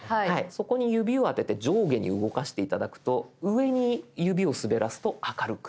そこに指を当てて上下に動かして頂くと上に指を滑らすと明るく。